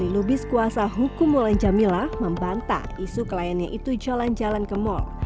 lubis kuasa hukum mulan jamila membantah isu kliennya itu jalan jalan ke mal